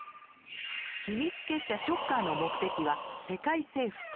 秘密結社ショッカーの目的は世界征服。